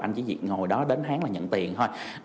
anh chỉ việc ngồi đó đến hán là nhận tiền thôi